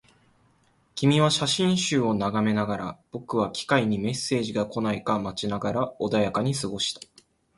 君は写真集を眺めながら、僕は機械にメッセージが来ないか待ちながら穏やかに過ごした